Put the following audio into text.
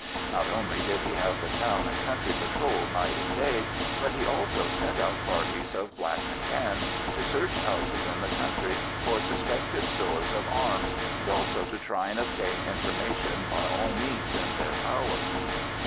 Not only did he have the town and country patrolled night and day, but he also sent out parties of "Black and Tans" to search houses in the country for suspected stores of arms, and also to try and obtain information by all means in their power.